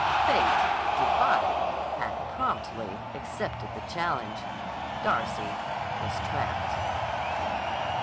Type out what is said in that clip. Fate, defied, had promptly accepted the challenge. Darcy was trapped.